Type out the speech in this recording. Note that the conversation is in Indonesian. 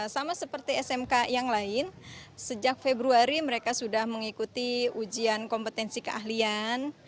sama seperti smk yang lain sejak februari mereka sudah mengikuti ujian kompetensi keahlian